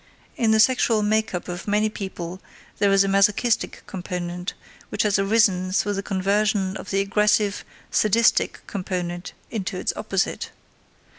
In the sexual make up of many people there is a masochistic component, which has arisen through the conversion of the aggressive, sadistic component into its opposite.